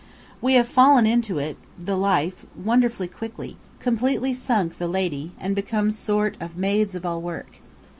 We have fallen into it (the life) wonderfully quickly; completely sunk the lady and become sort of maids of all work.